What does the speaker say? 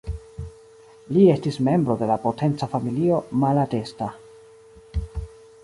Li estis membro de la potenca familio Malatesta.